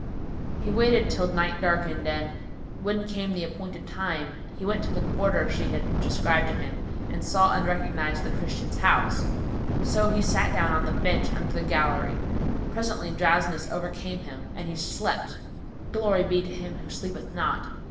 He waited till night darkened and, when came the appointed time, he went to the quarter she had described to him and saw and recognised the Christian's house; so he sat down on the bench under the gallery. Presently drowsiness overcame him and he slept (Glory be to Him who sleepeth not!?